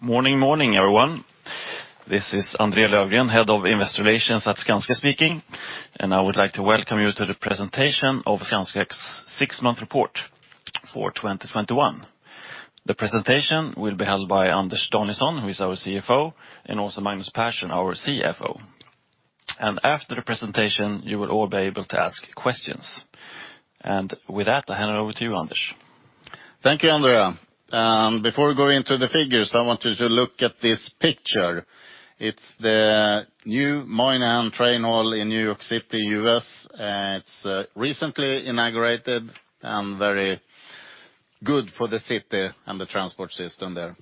Morning, everyone. This is André Löfgren, Head of Investor Relations at Skanska speaking. I would like to welcome you to the presentation of Skanska's six-month report for 2021. The presentation will be held by Anders Danielsson, who is our CEO, and also Magnus Persson, our CFO. After the presentation, you will all be able to ask questions. With that, I hand over to you, Anders. Thank you, André. Before we go into the figures, I want you to look at this picture. It's the new Moynihan Train Hall in New York City, U.S. It's recently inaugurated and very good for the city and the transport system there.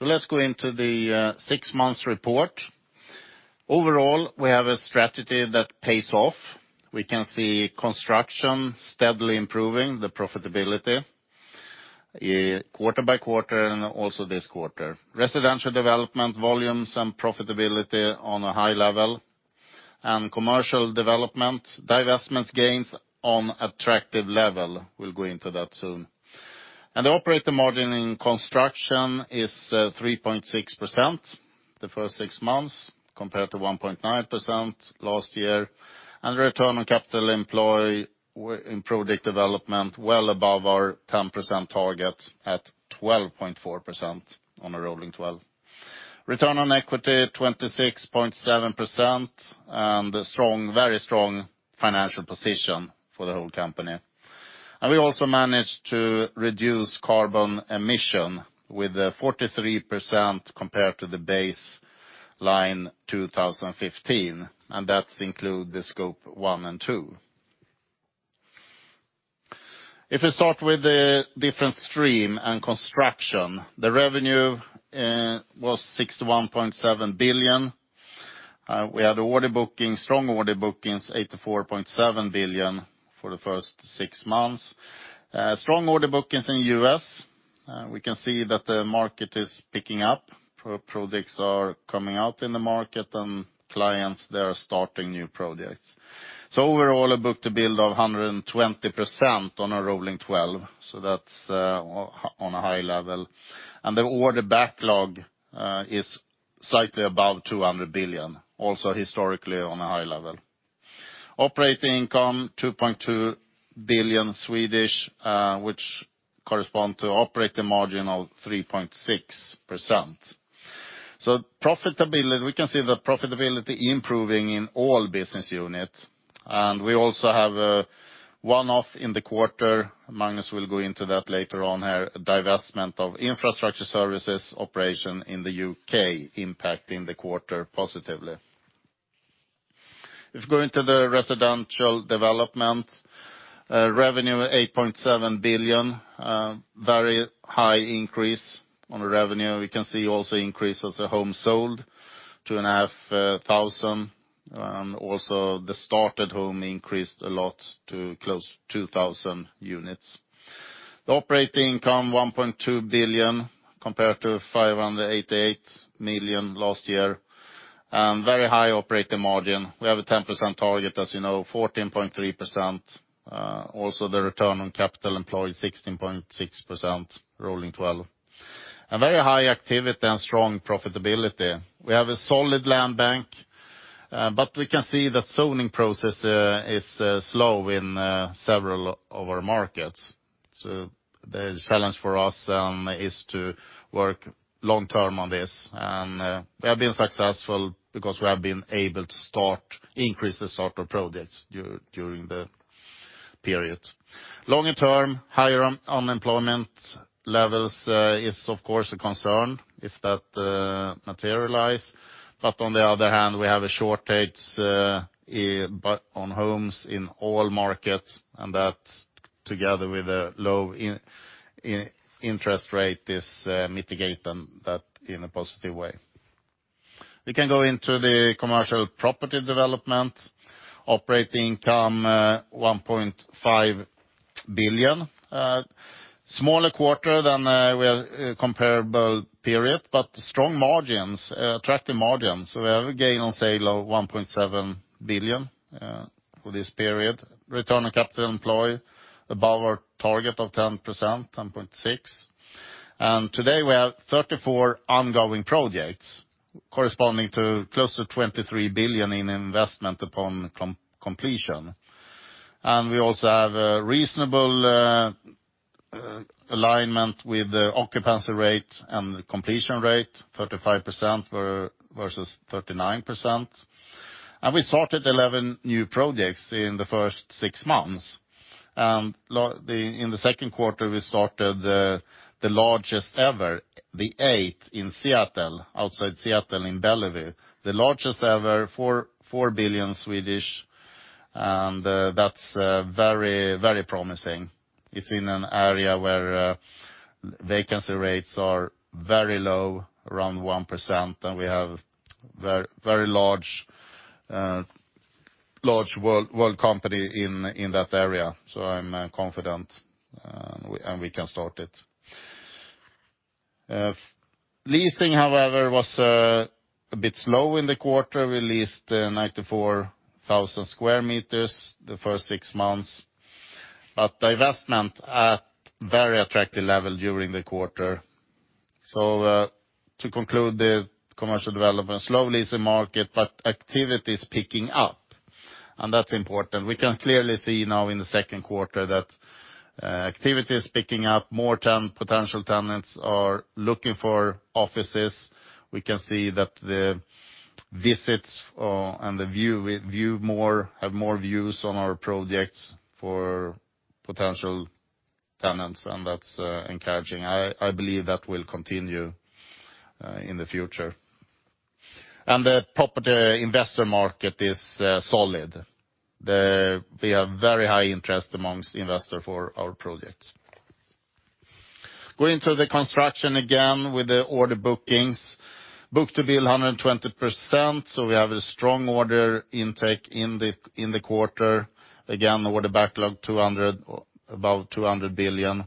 Let's go into the six months report. Overall, we have a strategy that pays off. We can see Construction steadily improving the profitability quarter by quarter and also this quarter. Residential Development volumes and profitability on a high level, and Commercial Property Development divestments gains on attractive level. We'll go into that soon. The operating margin in Construction is 3.6% the first six months, compared to 1.9% last year. Return on Capital Employed in Project Development well above our 10% target at 12.4% on a rolling 12. Return on Equity 26.7% and very strong financial position for the whole company. We also managed to reduce carbon emissions with 43% compared to the baseline 2015, and that includes the Scope one and two. We start with the different stream and Construction, the revenue was 61.7 billion. We had order booking, strong order bookings, 84.7 billion for the first six months. Strong order bookings in U.S. We can see that the market is picking up, projects are coming out in the market and clients, they are starting new projects. Overall, a book-to-bill of 120% on a rolling 12, so that's on a high level. The order backlog is slightly above 200 billion, also historically on a high level. Operating income, 2.2 billion, which corresponds to operating margin of 3.6%. We can see the profitability improving in all business units. We also have a one-off in the quarter. Magnus will go into that later on here, divestment of Infrastructure Services operation in the U.K. impacting the quarter positively. If you go into the Residential Development, revenue 8.7 billion, very high increase on revenue. We can see also increase as a home sold, 2,500. The started home increased a lot to close to 2,000 units. The operating income 1.2 billion compared to 588 million last year, and very high operating margin. We have a 10% target, as you know, 14.3%. The Return on Capital Employed 16.6% rolling 12. A very high activity and strong profitability. We have a solid land bank, but we can see that zoning process is slow in several of our markets. The challenge for us is to work long-term on this. We have been successful because we have been able to increase the start of projects during the period. Longer term, higher unemployment levels is of course a concern if that materializes. But on the other hand, we have a shortage on homes in all markets, and that together with a low interest rate is mitigate that in a positive way. We can go into the Commercial Property Development. Operating income, 1.5 billion. Smaller quarter than comparable period, but strong margins, attractive margins. We have a gain on sale of 1.7 billion for this period. Return on Capital Employed above our target of 10%, 10.6%. Today we have 34 ongoing projects corresponding to close to 23 billion in investment upon completion. We also have a reasonable alignment with the occupancy rate and the completion rate, 35% versus 39%. We started 11 new projects in the first six months. In the second quarter, we started the largest ever, The Eight in Seattle, outside Seattle in Bellevue, the largest ever, 4 billion. That's very promising. It's in an area where vacancy rates are very low, around 1%, and we have very large world company in that area. I'm confident, and we can start it. Leasing, however, was a bit slow in the quarter. We leased 94,000 sq m the first six months. Divestment at very attractive level during the quarter. To conclude the commercial development, slow leasing market, but activity is picking up, and that's important. We can clearly see now in the second quarter that activity is picking up, more potential tenants are looking for offices. We can see that the visits have more views on our projects for potential tenants, and that's encouraging. I believe that will continue in the future. The property investor market is solid. We have very high interest amongst investors for our projects. Going to the construction again with the order bookings. Book-to-bill 120%, we have a strong order intake in the quarter. Again, order backlog above 200 billion.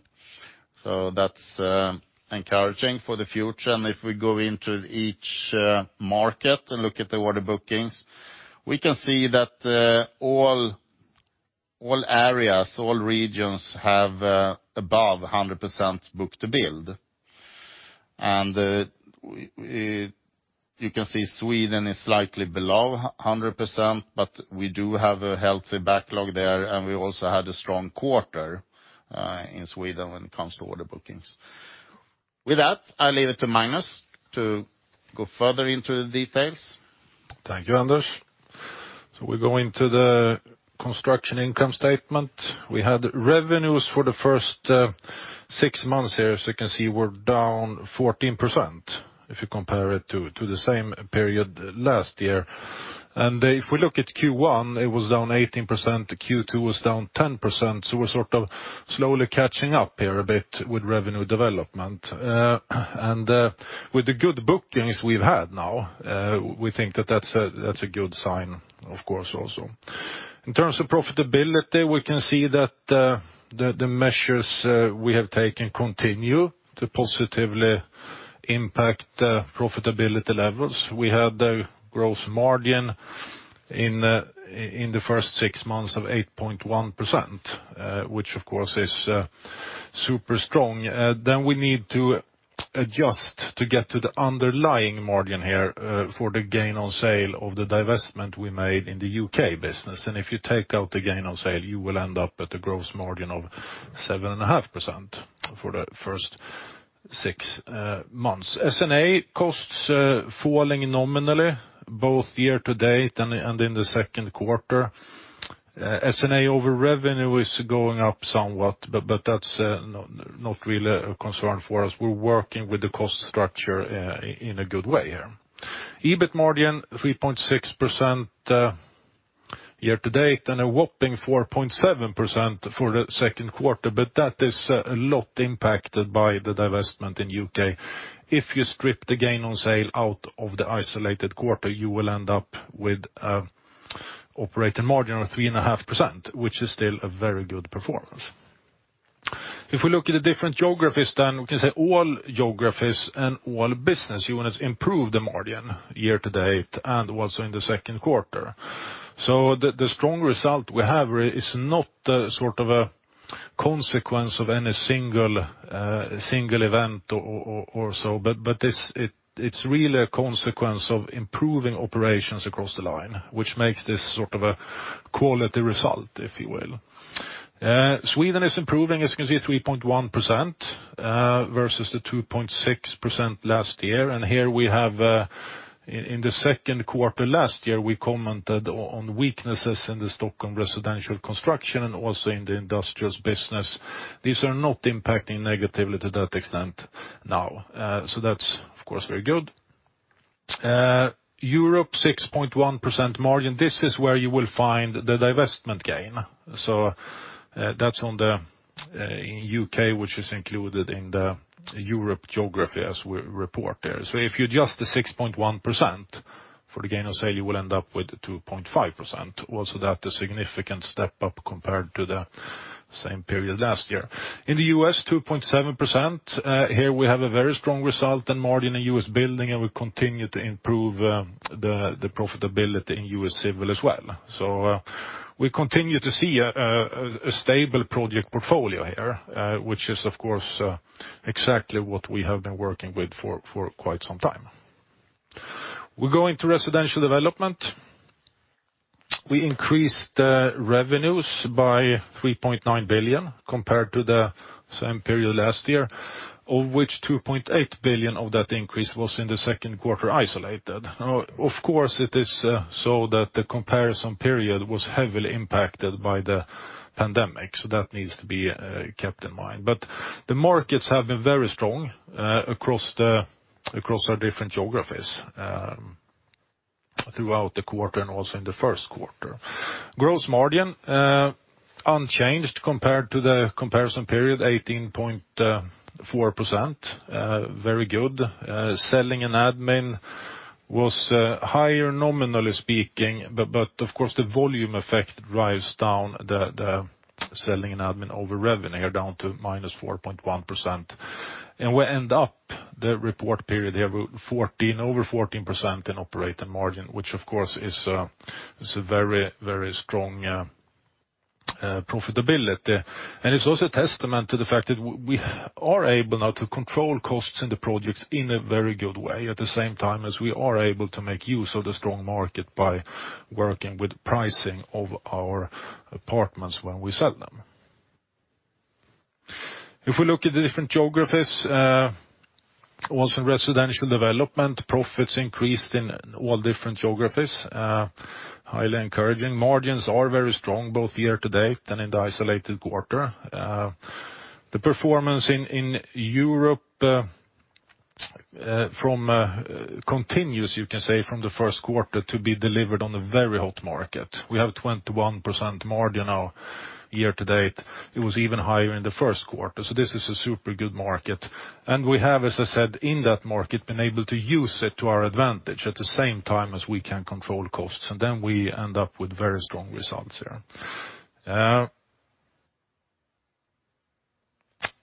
That's encouraging for the future. If we go into each market and look at the order bookings, we can see that all areas, all regions have above 100% book-to-bill. You can see Sweden is slightly below 100%, but we do have a healthy backlog there, and we also had a strong quarter in Sweden when it comes to order bookings. With that, I leave it to Magnus to go further into the details. Thank you, Anders. We go into the Construction income statement. We had revenues for the first six months here. As you can see, we're down 14% if you compare it to the same period last year. If we look at Q1, it was down 18%. Q2 was down 10%. We're sort of slowly catching up here a bit with revenue development. With the good bookings we've had now, we think that's a good sign, of course, also. In terms of profitability, we can see that the measures we have taken continue to positively impact profitability levels. We had a gross margin in the first six months of 8.1%, which, of course, is super strong. We need to adjust to get to the underlying margin here for the gain on sale of the divestment we made in the U.K. business. If you take out the gain on sale, you will end up at a gross margin of 7.5% for the first six months. S&A costs falling nominally both year-to-date and in the second quarter. S&A over revenue is going up somewhat, but that's not really a concern for us. We're working with the cost structure in a good way here. EBIT margin 3.6% year-to-date and a whopping 4.7% for the second quarter, but that is a lot impacted by the divestment in U.K. If you strip the gain on sale out of the isolated quarter, you will end up with operating margin of 3.5%, which is still a very good performance. If we look at the different geographies, then we can say all geographies and all business units improved the margin year-to-date and also in the second quarter. The strong result we have is not sort of a consequence of any single event or so, but it's really a consequence of improving operations across the line, which makes this sort of a quality result, if you will. Sweden is improving. As you can see, 3.1% versus the 2.6% last year. Here we have in the second quarter last year, we commented on weaknesses in the Stockholm residential construction and also in the industrials business. These are not impacting negatively to that extent now. That's, of course, very good. Europe, 6.1% margin. This is where you will find the divestment gain. That's on the U.K., which is included in the Europe geography as we report there. If you adjust the 6.1% for the gain on sale, you will end up with 2.5%. That a significant step up compared to the same period last year. In the U.S., 2.7%. Here we have a very strong result in margin in US Building, and we continue to improve the profitability in US Civil as well. We continue to see a stable project portfolio here, which is, of course, exactly what we have been working with for quite some time. We go into Residential Development. We increased revenues by 3.9 billion, compared to the same period last year, of which 2.8 billion of that increase was in the second quarter isolated. Of course, it is so that the comparison period was heavily impacted by the pandemic, so that needs to be kept in mind. The markets have been very strong across our different geographies throughout the quarter and also in the first quarter. Gross margin unchanged compared to the comparison period, 18.4%, very good. Of course, the volume effect drives down the Selling and admin over revenue down to minus 4.1%. We end up the report period here over 14% in operating margin, which of course is a very strong profitability. It's also a testament to the fact that we are able now to control costs in the projects in a very good way, at the same time as we are able to make use of the strong market by working with pricing of our apartments when we sell them. If we look at the different geographies, also Residential Development profits increased in all different geographies. Highly encouraging. Margins are very strong both year to date and in the isolated quarter. The performance in Europe continues, you can say, from the first quarter to be delivered on a very hot market. We have 21% margin now year to date. It was even higher in the first quarter. This is a super good market. We have, as I said, in that market, been able to use it to our advantage at the same time as we can control costs. We end up with very strong results here.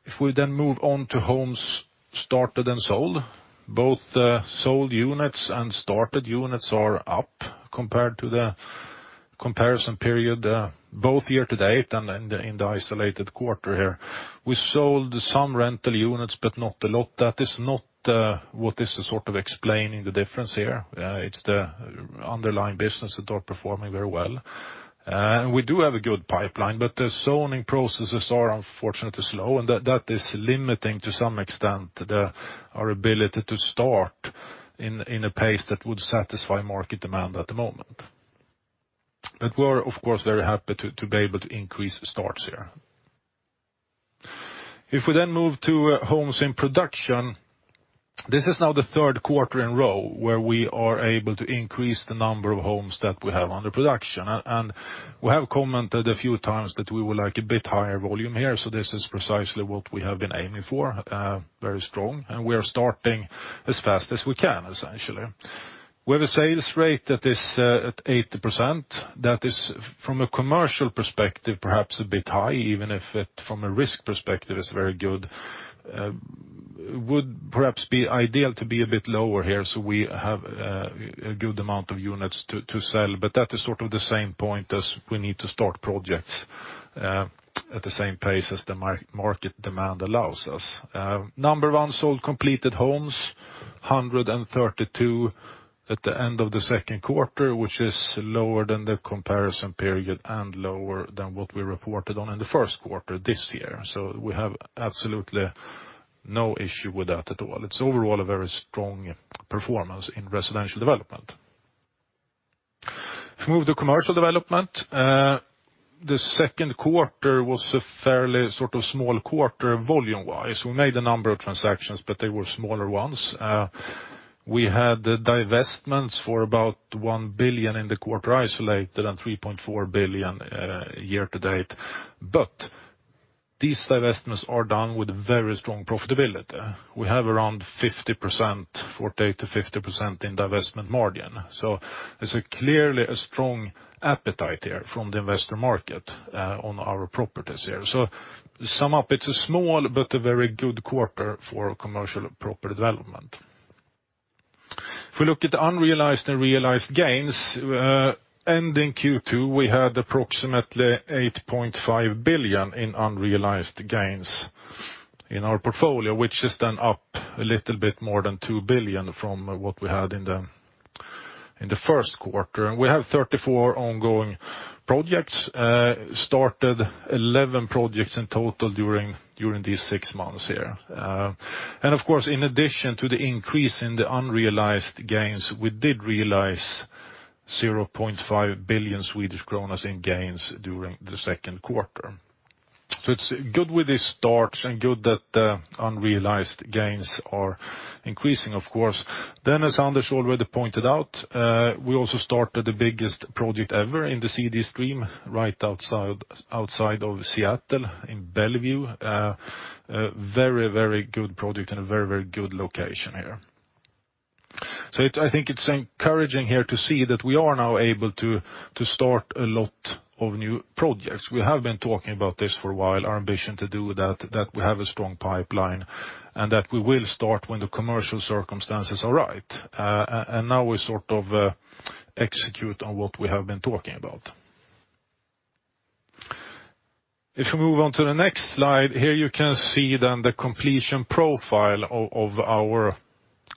If we then move on to homes started and sold, both sold units and started units are up compared to the comparison period, both year to date and in the isolated quarter here. We sold some rental units, but not a lot. That is not what is sort of explaining the difference here. It's the underlying business that are performing very well. We do have a good pipeline, but the zoning processes are unfortunately slow, and that is limiting to some extent our ability to start in a pace that would satisfy market demand at the moment. We're, of course, very happy to be able to increase starts here. If we then move to homes in production, this is now the third quarter in row where we are able to increase the number of homes that we have under production. We have commented a few times that we would like a bit higher volume here. This is precisely what we have been aiming for, very strong. We are starting as fast as we can, essentially. We have a sales rate that is at 80%. That is from a commercial perspective, perhaps a bit high, even if it from a risk perspective is very good. Would perhaps be ideal to be a bit lower here, so we have a good amount of units to sell, but that is sort of the same point as we need to start projects at the same pace as the market demand allows us. Number one, sold completed homes, 132 at the end of the second quarter, which is lower than the comparison period and lower than what we reported on in the first quarter this year. We have absolutely no issue with that at all. It's overall a very strong performance in Residential Development. If we move to Commercial Development, the second quarter was a fairly sort of small quarter volume-wise. We made a number of transactions, but they were smaller ones. We had the divestments for about 1 billion in the quarter isolated and 3.4 billion year-to-date. These divestments are done with very strong profitability. We have around 40%-50% in divestment margin. There's clearly a strong appetite here from the investor market on our properties here. To sum up, it's a small but a very good quarter for Commercial Property Development. If we look at unrealized and realized gains, ending Q2, we had approximately 8.5 billion in unrealized gains in our portfolio, which is then up a little bit more than 2 billion from what we had in the first quarter. We have 34 ongoing projects, started 11 projects in total during these six months here. Of course, in addition to the increase in the unrealized gains, we did realize 0.5 billion Swedish kronor in gains during the second quarter. It's good with this start and good that unrealized gains are increasing, of course. As Anders already pointed out, we also started the biggest project ever in the CD stream right outside of Seattle in Bellevue, a very good project in a very good location here. I think it's encouraging here to see that we are now able to start a lot of new projects. We have been talking about this for a while, our ambition to do that we have a strong pipeline, and that we will start when the commercial circumstances are right. Now we sort of execute on what we have been talking about. If we move on to the next slide, here you can see then the completion profile of our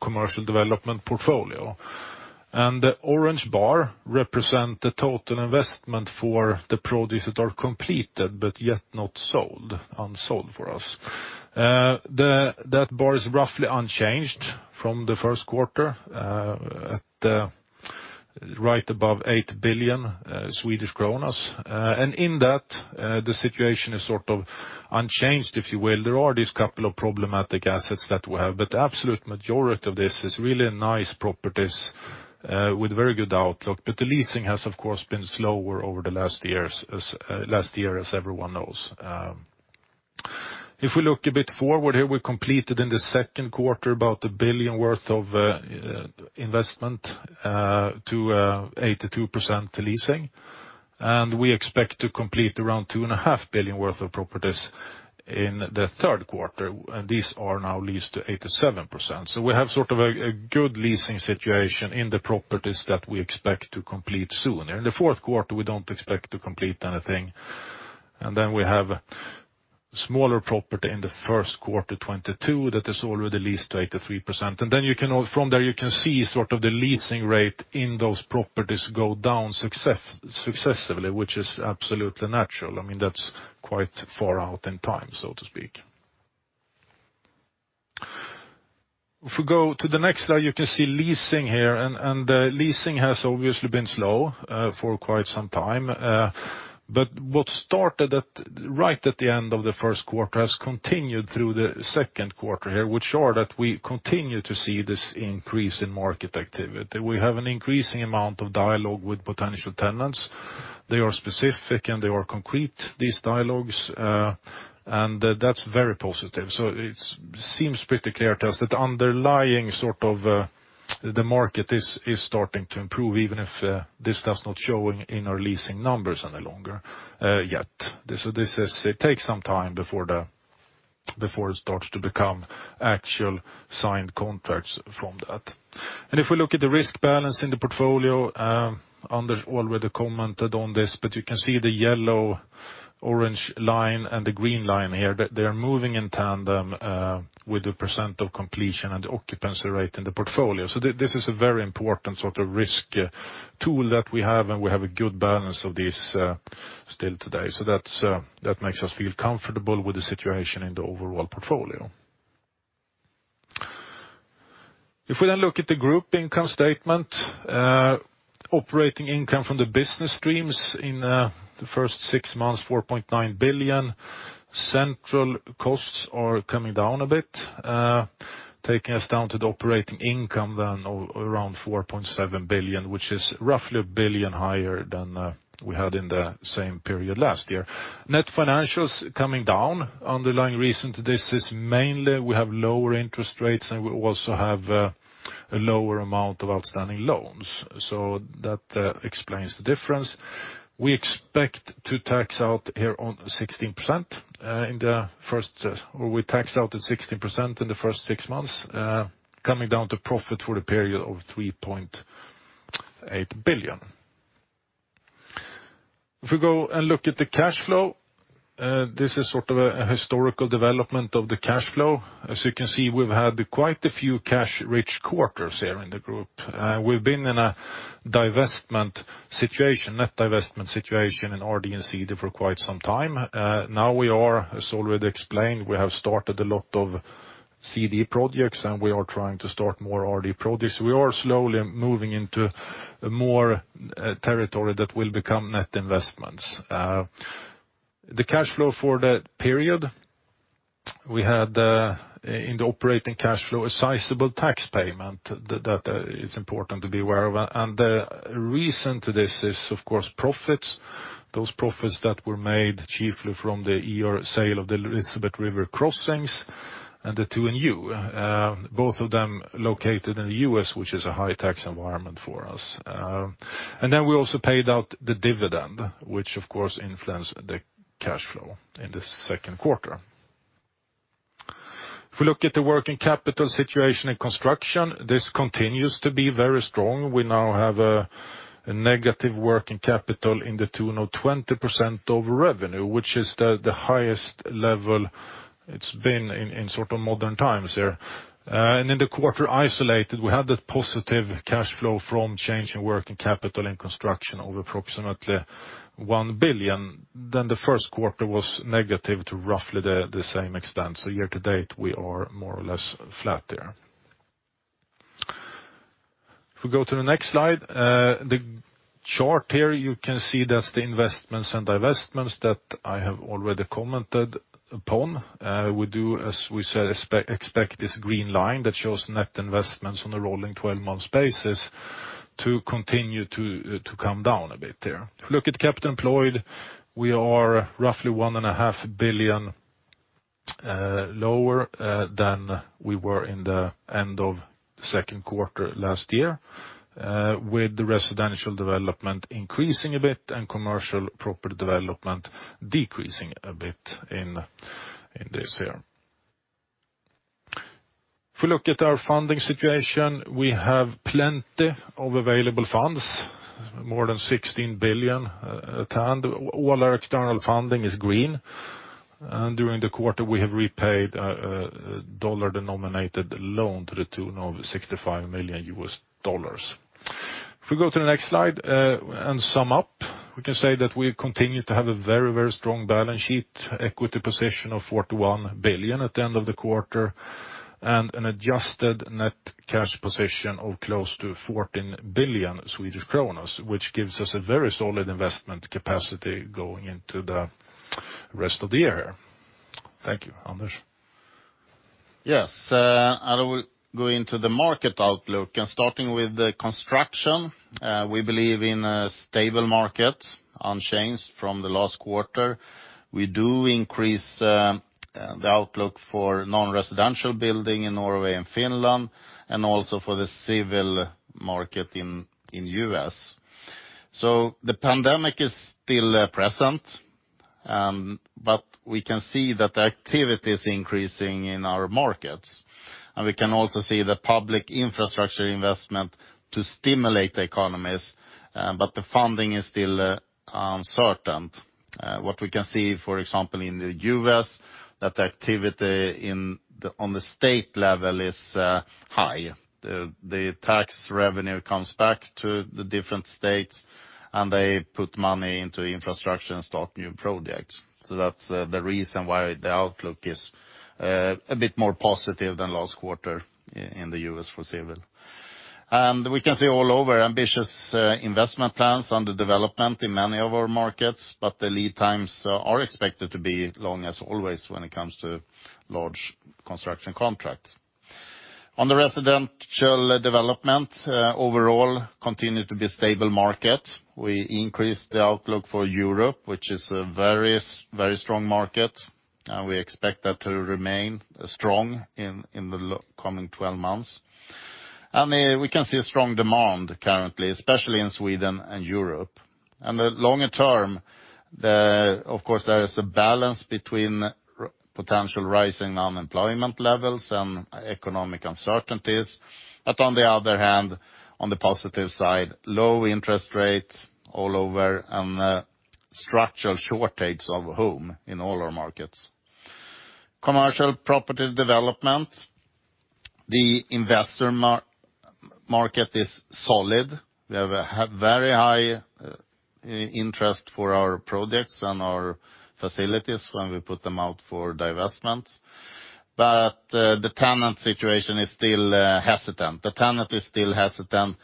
Commercial Property Development portfolio. The orange bar represent the total investment for the projects that are completed but yet not sold, unsold for us. That bar is roughly unchanged from the first quarter at right above 8 billion Swedish kronor. In that, the situation is sort of unchanged, if you will. There are these couple of problematic assets that we have, but the absolute majority of this is really nice properties with very good outlook. The leasing has, of course, been slower over the last year, as everyone knows. If we look a bit forward here, we completed in the second quarter about 1 billion worth of investment to 82% leasing. We expect to complete around 2.5 billion worth of properties in the third quarter, and these are now leased to 87%. We have sort of a good leasing situation in the properties that we expect to complete soon. In the fourth quarter, we don't expect to complete anything. Then we have smaller property in the first quarter 2022 that is already leased to 83%. Then from there you can see sort of the leasing rate in those properties go down successively, which is absolutely natural. That's quite far out in time, so to speak. If we go to the next slide, you can see leasing here, and the leasing has obviously been slow for quite some time. What started right at the end of the first quarter has continued through the second quarter here, which are that we continue to see this increase in market activity. We have an increasing amount of dialogue with potential tenants. They are specific and they are concrete, these dialogues, and that's very positive. It seems pretty clear to us that underlying sort of the market is starting to improve, even if this does not show in our leasing numbers any longer yet. It takes some time before it starts to become actual signed contracts from that. If we look at the risk balance in the portfolio, Anders already commented on this, but you can see the yellow-orange line and the green line here, they are moving in tandem with the % of completion and occupancy rate in the portfolio. This is a very important sort of risk tool that we have, and we have a good balance of this still today. That makes us feel comfortable with the situation in the overall portfolio. If we look at the group income statement, operating income from the business streams in the first six months, 4.9 billion. Central costs are coming down a bit, taking us down to the operating income of around 4.7 billion, which is roughly 1 billion higher than we had in the same period last year. Net financials coming down. Underlying reason to this is mainly we have lower interest rates, and we also have a lower amount of outstanding loans. That explains the difference. We expect to tax out here on 16% in the first, or we taxed out at 16% in the first six months, coming down to profit for the period of 3.8 billion. If we go and look at the cash flow, this is sort of a historical development of the cash flow. As you can see, we've had quite a few cash-rich quarters here in the group. We've been in a divestment situation, net divestment situation in RD and CD for quite some time. Now we are, as already explained, we have started a lot of CD projects and we are trying to start more RD projects. We are slowly moving into more territory that will become net investments. The cash flow for that period, we had in the operating cash flow a sizable tax payment that is important to be aware of. The reason to this is, of course, profits. Those profits that were made chiefly from the sale of the Elizabeth River Crossings and the 2+U, both of them located in the U.S., which is a high-tax environment for us. Then we also paid out the dividend, which of course influenced the cash flow in the second quarter. If we look at the working capital situation in Construction, this continues to be very strong. We now have a negative working capital in the tune of 20% of revenue, which is the highest level it's been in sort of modern times here. In the quarter isolated, we had that positive cash flow from change in working capital and construction of approximately 1 billion. The first quarter was negative to roughly the same extent. Year to date, we are more or less flat there. If we go to the next slide, the chart here, you can see that's the investments and divestments that I have already commented upon. We do, as we said, expect this green line that shows net investments on a rolling 12-month basis to continue to come down a bit there. If you look at capital employed, we are roughly 1.5 billion lower than we were in the end of the second quarter last year, with the Residential Development increasing a bit and Commercial Property Development decreasing a bit in this here. If we look at our funding situation, we have plenty of available funds, more than 16 billion at hand. All our external funding is green. During the quarter, we have repaid a dollar-denominated loan to the tune of $65 million. If we go to the next slide and sum up, we can say that we continue to have a very, very strong balance sheet, equity position of 41 billion at the end of the quarter, an adjusted net cash position of close to 14 billion, which gives us a very solid investment capacity going into the rest of the year. Thank you. Anders? Yes. I will go into the market outlook and starting with the Construction. We believe in a stable market, unchanged from the last quarter. We do increase the outlook for non-residential building in Norway and Finland, and also for the civil market in the U.S. The pandemic is still present, but we can see that the activity is increasing in our markets. We can also see the public infrastructure investment to stimulate the economies, but the funding is still uncertain. What we can see, for example, in the U.S., that the activity on the state level is high. The tax revenue comes back to the different states, and they put money into infrastructure and start new projects. That's the reason why the outlook is a bit more positive than last quarter in the U.S. for civil. We can see all over, ambitious investment plans under development in many of our markets, but the lead times are expected to be long as always when it comes to large construction contracts. On the residential development, overall, continue to be a stable market. We increased the outlook for Europe, which is a very strong market, and we expect that to remain strong in the coming 12 months. We can see a strong demand currently, especially in Sweden and Europe. The longer term, of course, there is a balance between potential rising unemployment levels and economic uncertainties. On the other hand, on the positive side, low interest rates all over and structural shortage of home in all our markets. Commercial property development, the investor market is solid. We have a very high interest for our projects and our facilities when we put them out for divestments. The tenant situation is still hesitant. The tenant is still hesitant,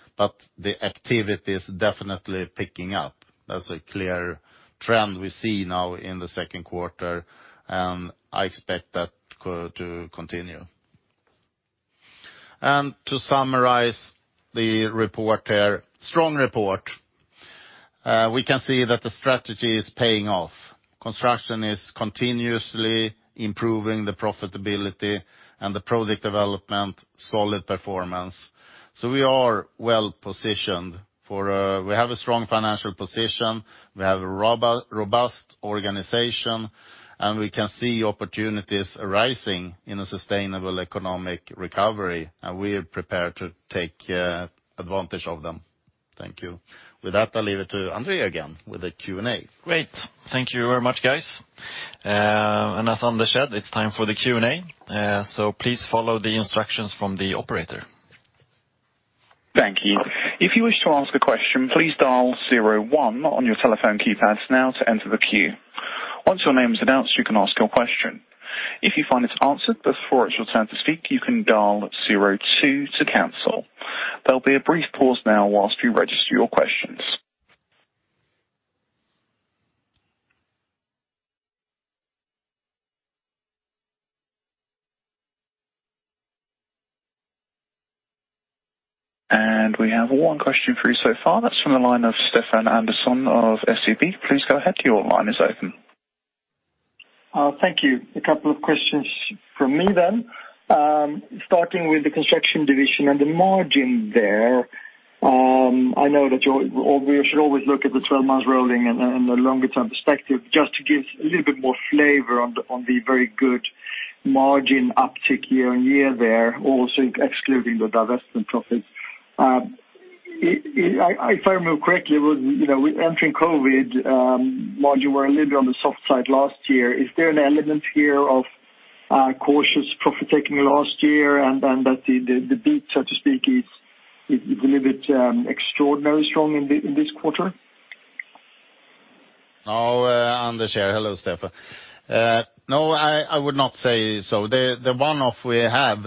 the activity is definitely picking up. That's a clear trend we see now in the second quarter, I expect that to continue. To summarize the report here, strong report. We can see that the strategy is paying off. Construction is continuously improving the profitability and the Project Development, solid performance. We are well positioned. We have a strong financial position, we have a robust organization, we can see opportunities arising in a sustainable economic recovery, we're prepared to take advantage of them. Thank you. With that, I leave it to André again with the Q&A. Great. Thank you very much, guys. As Anders said, it's time for the Q&A. Please follow the instructions from the operator. Thank you. If you wish to ask a question, please dial zero one on your telephone keypads now to enter the queue. Once your name is announced, you can ask your question. If you find it answered before it is your turn to speak, you can dial zero two to cancel. There will be a brief pause now while we register your questions. We have one question for you so far. That is from the line of Stefan Andersson of SEB. Please go ahead. Your line is open. Thank you. A couple of questions from me. Starting with the Construction division and the margin there. I know that we should always look at the 12 months rolling and the longer-term perspective just to give a little bit more flavor on the very good margin uptick year-on-year there, also excluding the divestment profits. If I remember correctly, with entering COVID, margin were a little bit on the soft side last year. Is there an element here of cautious profit-taking last year and that the beat, so to speak, is a little bit extraordinary strong in this quarter? Anders here. Hello, Stefan. No, I would not say so. The one-off we had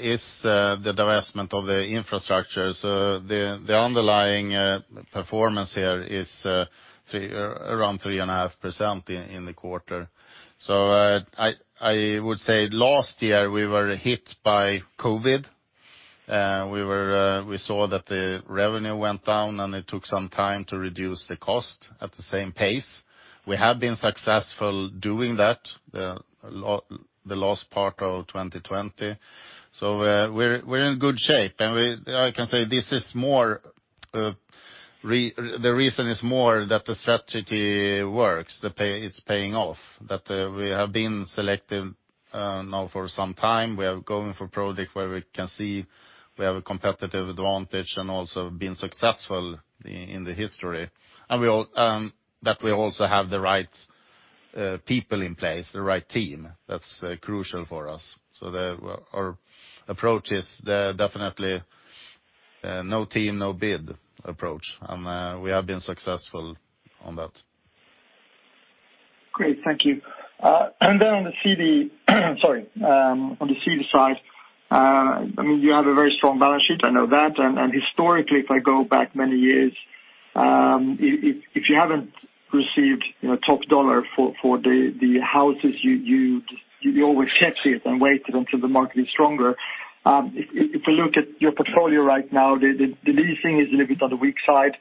is the divestment of the infrastructure. The underlying performance here is around 3.5% in the quarter. I would say last year we were hit by COVID. We saw that the revenue went down and it took some time to reduce the cost at the same pace. We have been successful doing that, the last part of 2020. We're in good shape. I can say the reason is more that the strategy works, it's paying off. That we have been selective now for some time. We are going for project where we can see we have a competitive advantage and also been successful in the history. That we also have the right people in place, the right team. That's crucial for us. Our approach is definitely no team, no bid approach, and we have been successful on that. Great. Thank you. On the city side, I mean, you have a very strong balance sheet, I know that. Historically, if I go back many years, if you haven't received top dollar for the houses, you always shelve it and wait until the market is stronger. If you look at your portfolio right now, the leasing is a little bit on the weak side,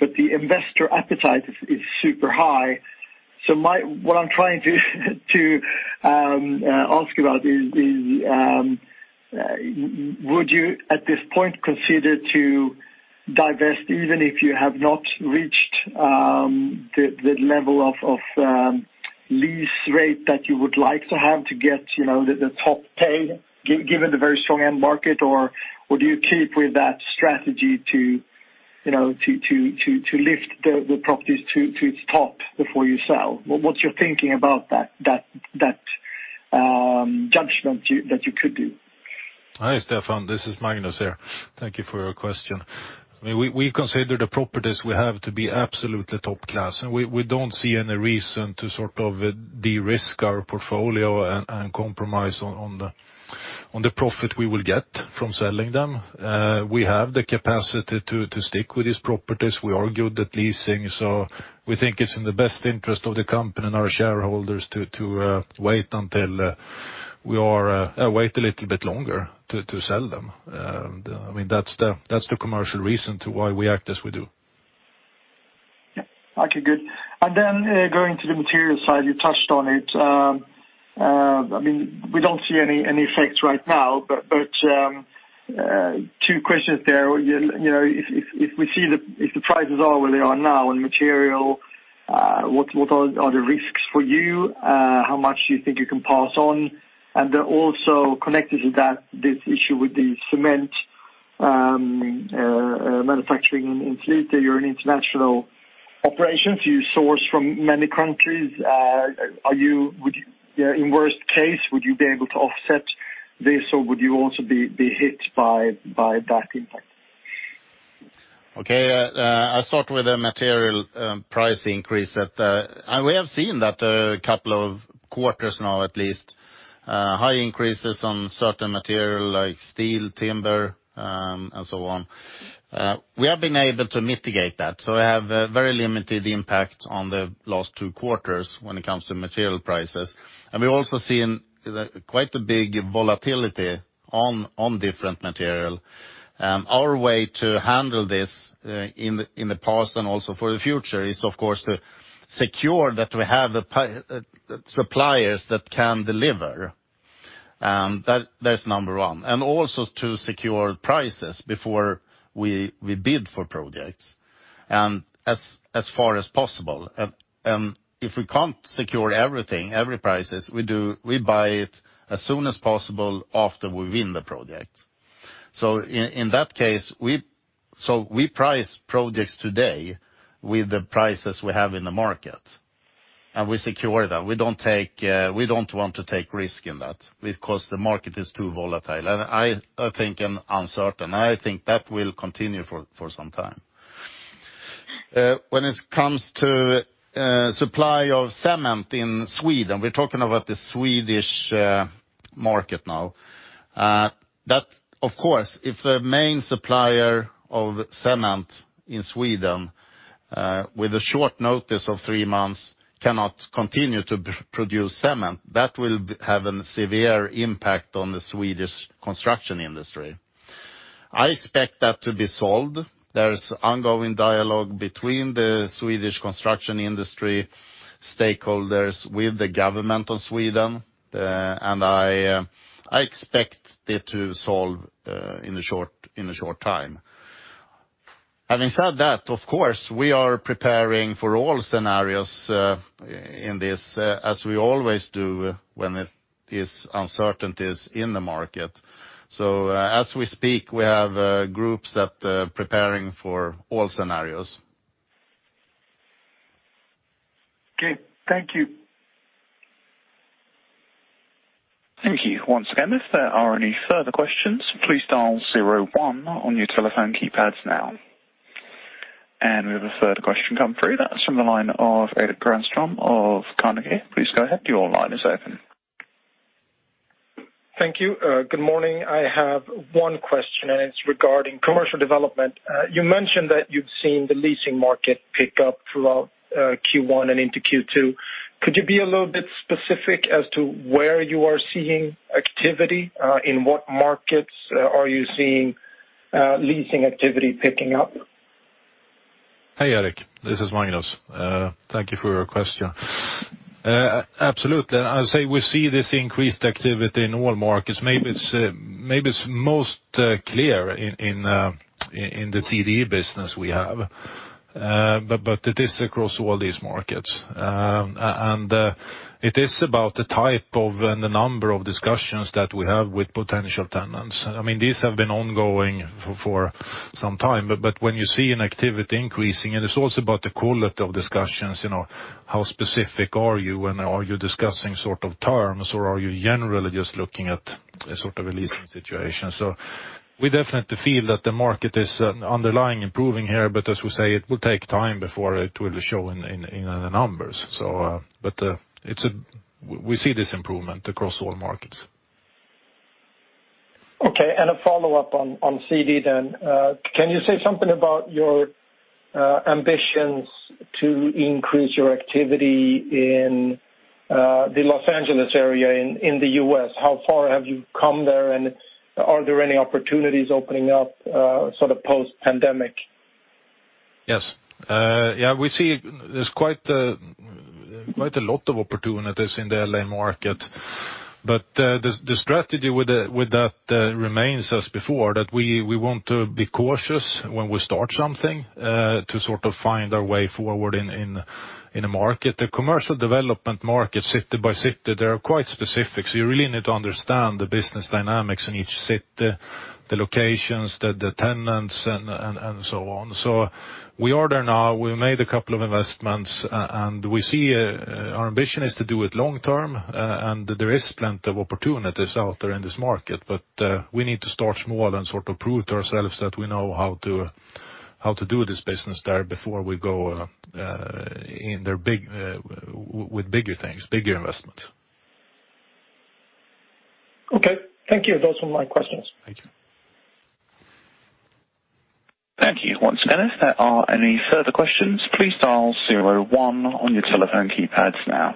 but the investor appetite is super high. What I'm trying to ask about is, would you, at this point, consider divesting, even if you have not reached the level of lease rate that you would like to have to get the top pay, given the very strong end market? Do you keep with that strategy to lift the properties to its top before you sell? What's your thinking about that judgment that you could do? Hi, Stefan, this is Magnus here. Thank you for your question. We consider the properties we have to be absolutely top class, and we don't see any reason to de-risk our portfolio and compromise on the profit we will get from selling them. We have the capacity to stick with these properties. We are good at leasing, so we think it's in the best interest of the company and our shareholders to wait a little bit longer to sell them. That's the commercial reason to why we act as we do. Yeah. Okay, good. Going to the material side, you touched on it. We don't see any effects right now, but two questions there. If the prices are where they are now on material, what are the risks for you? How much do you think you can pass on? Connected to that, this issue with the cement manufacturing in Slite. You're an international operation. You source from many countries. In the worst case, would you be able to offset this, or would you also be hit by that impact? Okay. I'll start with the material price increase. We have seen that a couple of quarters now, at least, high increases on certain material like steel, timber, and so on. We have been able to mitigate that. We have a very limited impact on the last two quarters when it comes to material prices. We've also seen quite a big volatility on different material. Our way to handle this in the past and also for the future is, of course, to secure that we have suppliers that can deliver. That's number one. Also to secure prices before we bid for projects, and as far as possible. If we can't secure everything, every price, we buy it as soon as possible after we win the project. We price projects today with the prices we have in the market, and we secure that. We don't want to take risk in that because the market is too volatile. I think uncertain. I think that will continue for some time. When it comes to supply of cement in Sweden, we're talking about the Swedish market now. That, of course, if the main supplier of cement in Sweden with a short notice of three months cannot continue to produce cement, that will have a severe impact on the Swedish construction industry. I expect that to be solved. There is ongoing dialogue between the Swedish construction industry stakeholders with the government of Sweden. I expect it to solve in a short time. Having said that, of course, we are preparing for all scenarios in this, as we always do when there is uncertainties in the market. As we speak, we have groups that are preparing for all scenarios. Okay. Thank you. Thank you. Once again, if there are any further questions, please dial zero one on your telephone keypads now. We have a third question come through. That's from the line of Erik Granström of Carnegie. Please go ahead. Your line is open. Thank you. Good morning. I have one question, and it's regarding commercial development. You mentioned that you've seen the leasing market pick up throughout Q1 and into Q2. Could you be a little bit specific as to where you are seeing activity? In what markets are you seeing leasing activity picking up? Hey, Erik. This is Magnus. Thank you for your question. Absolutely. I would say we see this increased activity in all markets. Maybe it's most clear in the CD business we have. It is across all these markets. It is about the type of, and the number of discussions that we have with potential tenants. These have been ongoing for some time, but when you see an activity increasing, and it's also about the quality of discussions. How specific are you? Are you discussing terms, or are you generally just looking at a leasing situation? We definitely feel that the market is underlying improving here, but as we say, it will take time before it will show in the numbers. We see this improvement across all markets. Okay, a follow-up on CD then. Can you say something about your ambitions to increase your activity in the Los Angeles area in the U.S.? How far have you come there, and are there any opportunities opening up post-pandemic? Yes. We see there's quite a lot of opportunities in the L.A. market. The strategy with that remains as before, that we want to be cautious when we start something to sort of find our way forward in the market. The commercial development market, city by city, they are quite specific. You really need to understand the business dynamics in each city, the locations, the tenants, and so on. We are there now. We made a couple of investments, and our ambition is to do it long-term, and there is plenty of opportunities out there in this market. We need to start small and sort of prove to ourselves that we know how to do this business there before we go in with bigger things, bigger investments. Okay. Thank you. Those were my questions. Thank you. Thank you. Once again, if there are any further questions, please dial zero-one on your telephone keypads now.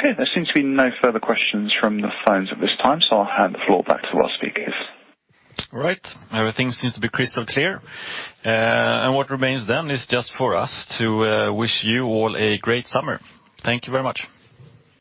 There seems to be no further questions from the phones at this time. I'll hand the floor back to our speakers. All right. Everything seems to be crystal clear. What remains then is just for us to wish you all a great summer. Thank you very much.